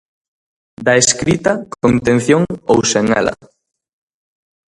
Da escrita con intención ou sen ela.